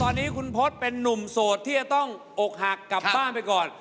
ตอนนี้คุณพศเป็นนุ่มโสดที่จะต้องอกหักกลับบ้านไปก่อน